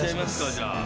じゃあ。